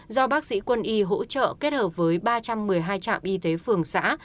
do bác sĩ quân y hỗ trợ kết hợp với ba trăm một mươi hai trạm y tế phường xã